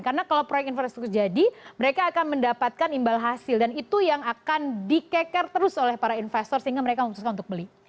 karena kalau proyek infrastruktur jadi mereka akan mendapatkan imbal hasil dan itu yang akan dikeker terus oleh para investor sehingga mereka memutuskan untuk beli